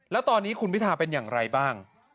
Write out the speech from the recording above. แล้วตอนนี้คุณพิทาเป็นอย่างไรบ้าง